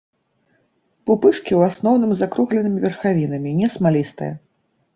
Пупышкі ў асноўным з закругленымі верхавінамі, не смалістыя.